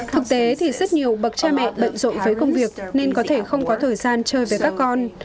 thực tế thì rất nhiều bậc cha mẹ bận rộn với công việc nên có thể không có thời gian chơi với các con